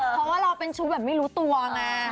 เพราะว่าเราเป็นชู้แบบไม่รู้ตัวไง